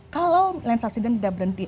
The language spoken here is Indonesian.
kalau land subsidence tidak berhenti